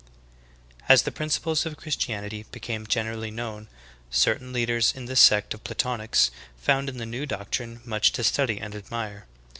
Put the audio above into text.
12. As the principles of Christianity became generally known, certain leaders in the sect of Platonics found in the new doctrine much to study and admire.